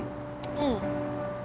うん。